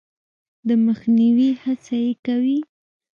د مخنیوي هڅه یې کوي.